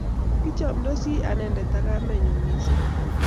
Kichamndosi anendet ak kamennyu missing'